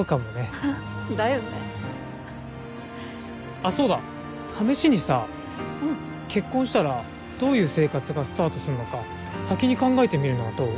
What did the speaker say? あっそうだ試しにさ結婚したらどういう生活がスタートするのか先に考えてみるのはどう？